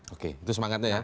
oke itu semangatnya ya